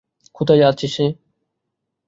কোথায় আছে সে?